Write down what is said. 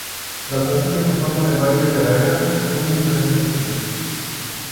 Las danzas que conforman el Baile de la Era son muy diferentes entre sí.